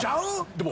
でも。